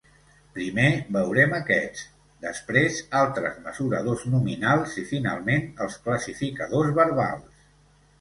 Primer veurem aquests, després altres mesuradors nominals i finalment els classificadors verbals.